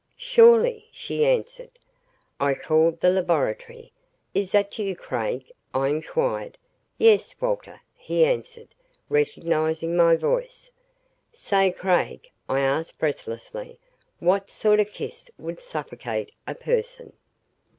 "Surely," she answered. I called the laboratory. "Is that you, Craig?" I inquired. "Yes, Walter," he answered, recognizing my voice. "Say, Craig," I asked breathlessly, "what sort of kiss would suffocate a person."